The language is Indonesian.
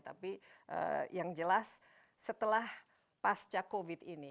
tapi yang jelas setelah pasca covid ini